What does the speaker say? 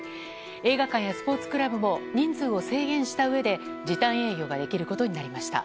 映画館やスポーツクラブも人数を制限したうえで時短営業ができることになりました。